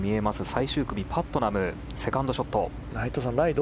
最終組、パットナムセカンドショット。